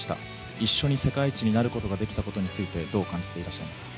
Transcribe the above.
一緒に世界一になることができたことについて、どう感じていらっしゃいますか。